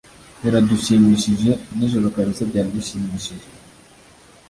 Baradushimishije nijoro kabisa byari bishimishije.